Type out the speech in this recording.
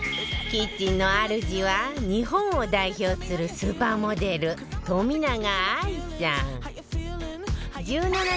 キッチンのあるじは日本を代表するスーパーモデル冨永愛さん